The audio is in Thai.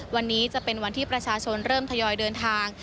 วันนี้จะเป็นวันที่ประชาชนเริ่มทยอยเดินทาง